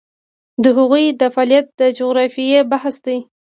د هغوی د فعالیت د جغرافیې بحث دی.